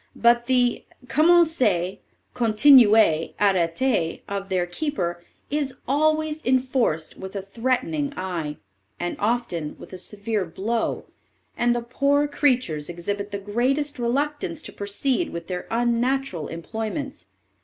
But the commencez, continuez, arrêtez of their keeper is always enforced with a threatening eye, and often with a severe blow; and the poor creatures exhibit the greatest reluctance to proceed with their unnatural employments.